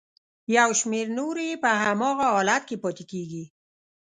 یو شمېر نورې یې په هماغه حالت کې پاتې کیږي.